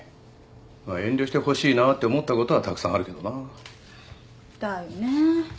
まあ遠慮してほしいなって思ったことはたくさんあるけどな。だよね。